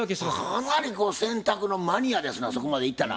かなり洗濯のマニアですなそこまでいったら。